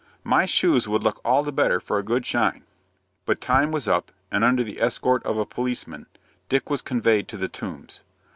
"My shoes would look all the better for a good shine." But time was up, and, under the escort of a policeman, Dick was conveyed to the Tombs.